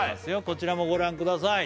こちらもご覧ください